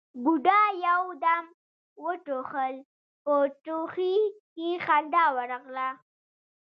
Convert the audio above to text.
بوډا يو دم وټوخل، په ټوخي کې خندا ورغله: